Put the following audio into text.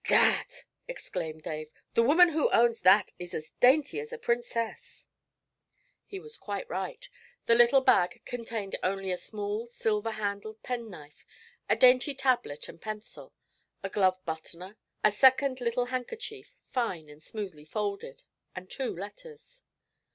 'Gad!' exclaimed Dave. 'The woman who owns that is as dainty as a princess.' He was quite right. The little bag contained only a small silver handled penknife, a dainty tablet and pencil, a glove buttoner, a second little handkerchief, fine and smoothly folded, and two letters.